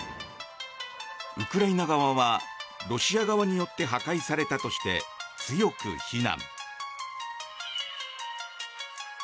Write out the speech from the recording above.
ウクライナ側はロシア側によって破壊されたとして強く非難。